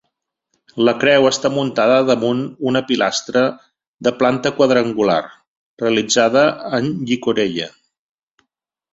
La creu està muntada damunt una pilastra de planta quadrangular realitzada en llicorella.